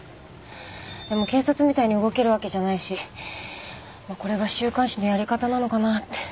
でも警察みたいに動けるわけじゃないしこれが週刊誌のやり方なのかなって。